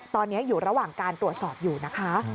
ตอนนี้อยู่ระหว่างการตรวจสอบอยู่นะคะ